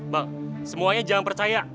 bang semuanya jangan percaya